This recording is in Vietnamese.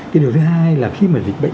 cái điều thứ hai là khi mà dịch bệnh